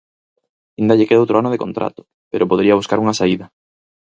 Aínda lle queda outro ano de contrato pero podería buscar unha saída.